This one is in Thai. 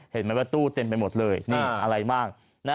เห็นไหมว่าตู้เต็มไปหมดเลยนี่อะไรบ้าง